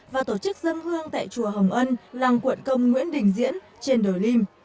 và tổ chức dân hương tại chùa hồng ân làng quận công nguyễn đình diễn trên đồi lim